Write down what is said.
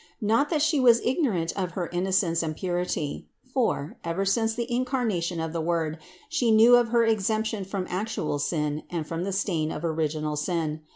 Not that She was ignorant of her innocence and purity; for, ever since the incarnation of the Word, She knew of her exemption from actual sin and from the stain of original sin.